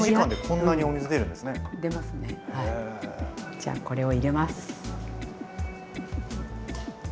じゃあこれを入れます。